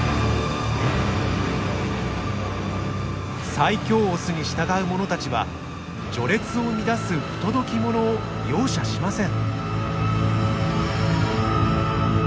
最強オスに従うものたちは序列を乱す不届き者を容赦しません。